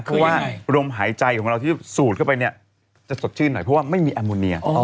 คือว่าลมหายใจของเราที่สูดเข้าไปเนี่ยจะสดชื่นหน่อยเพราะว่าไม่มีแอมโมเนีย